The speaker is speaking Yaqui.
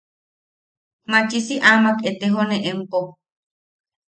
Machisi amak etejone empo.